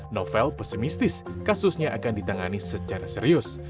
novel pesimistis kasusnya akan ditangani secara serius